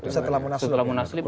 setelah munaslip setelah munaslip